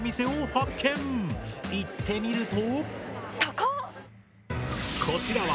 行ってみると。